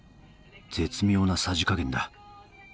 絶妙なさじ加減だ。